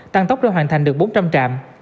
tăng tốc đã hoàn thành được bốn trăm linh trạm